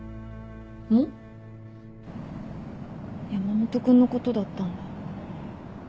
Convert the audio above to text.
山本君のことだったんだ。